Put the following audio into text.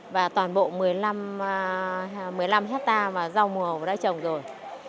và toàn bộ một mươi năm hectare mà rau mùa hồng đã trồng rồi